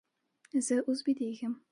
زه اوس بېدېږم.